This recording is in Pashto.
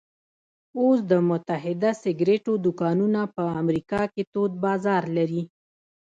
اوس د متحده سګرېټو دوکانونه په امریکا کې تود بازار لري